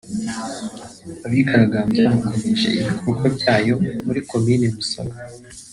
Abigaragambya bakomeje ibikorwa byayo muri Komine Musaga